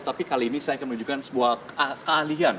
tapi kali ini saya akan menunjukkan sebuah keahlian